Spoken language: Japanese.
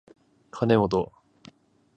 かねもと